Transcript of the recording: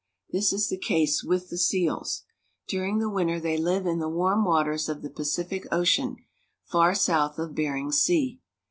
This is the case with the seals. During the winter they live in the warm waters of the Pacific Ocean, far south of Bering Sea.